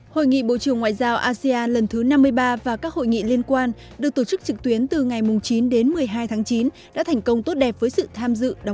hội nghị bộ trưởng ngoại giao asean lần thứ năm mươi ba và các hội nghị liên quan được tổ chức trực tuyến từ ngày chín đến một mươi hai tháng chín đã thành công tốt đẹp với sự tham dự